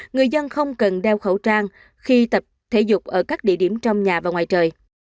người dân không cần đeo khẩu trang khi tập thể dục ở các địa điểm trong nhà và ngoài trời